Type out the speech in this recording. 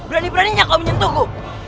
berani beraninya kau menyentuhku